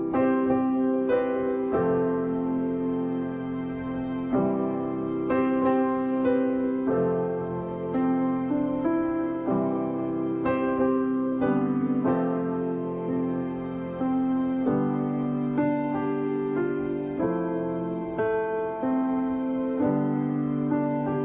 โปรดติดตามตอนต่อไป